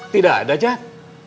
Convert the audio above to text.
tidak ada jack